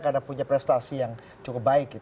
karena punya prestasi yang cukup baik